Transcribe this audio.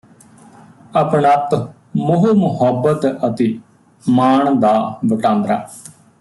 ਅਪਣੱਤ ਮੋਹ ਮੁਹੱਬਤ ਅਤੇ ਮਾਣ ਦਾ ਵਟਾਂਦਰਾ